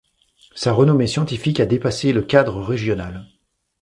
Sa renommée scientifique a dépasse le cadre régional.